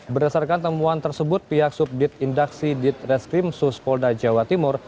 berdasarkan temuan tersebut pihak subdit indaksi ditreskrim suspolda jawa timur